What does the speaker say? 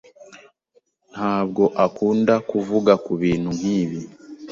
ntabwo akunda kuvuga kubintu nkibi.